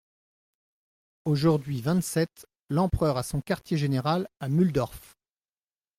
Aujourd'hui vingt-sept, l'empereur a son quartier-général à Mulhdorf.